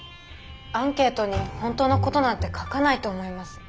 アンケートに本当の事なんて書かないと思います。